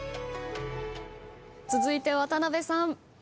続いて渡辺さん。